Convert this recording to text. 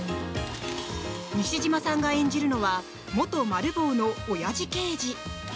西島さんが演じるのは元マル暴のおやじ刑事。